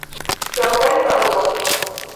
cham kaitang'wong'